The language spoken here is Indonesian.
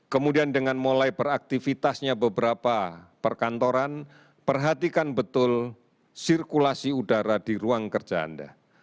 kemudian dengan mulai beraktivitasnya beberapa perkantoran perhatikan betul sirkulasi udara di ruang kerja anda